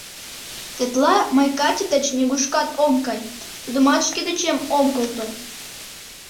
Тетла мый Катя деч нигушкат ом кай, тудымат шке дечем ом колто!»